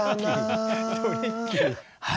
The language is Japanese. はい。